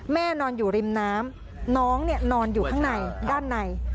นอนอยู่ริมน้ำน้องนอนอยู่ข้างในด้านใน